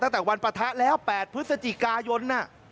ตั้งแต่วันปะทะแล้ว๘พฤศจิกายน